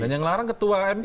dan yang larang ketua mk